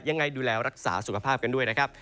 ยังไงดูแลรักษาสุขภาพกันด้วยนะครับ